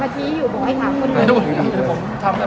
ผมทำแอพพลิเคชันเมื่อเสร็จ